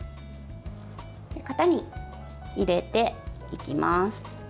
型に入れていきます。